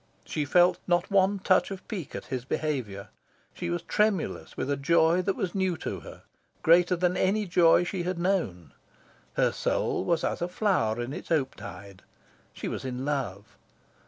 She felt not one touch of pique at his behaviour. She was tremulous with a joy that was new to her, greater than any joy she had known. Her soul was as a flower in its opetide. She was in love.